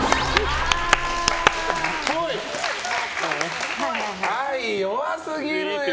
あい、弱すぎるよ。